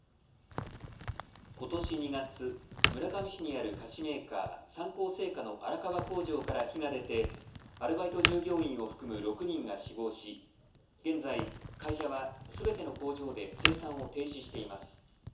ことし２月、村上市にある菓子メーカー、三幸製菓の荒川工場から火が出てアルバイト従業員を含む６人が死亡し現在、会社はすべての工場で生産を停止しています。